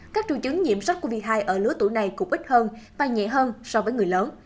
các triệu chứng nhiễm sắc covid một mươi chín ở lứa tuổi này cũng ít hơn và nhẹ hơn so với người lớn